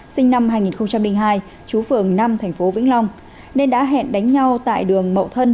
sinh năm hai nghìn hai chú phường năm tp vĩnh long nên đã hẹn đánh nhau tại đường mậu thân